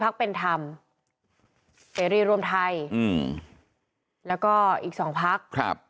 พักเป็นธรรมเฟรรีรวมไทยแล้วก็อีก๒พัก